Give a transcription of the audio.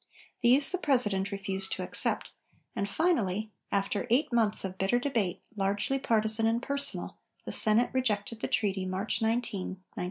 These the President refused to accept, and finally, after eight months of bitter debate, largely partisan and personal, the Senate rejected the treaty March 19, 1920.